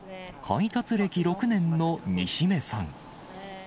配達歴６年の西銘さん。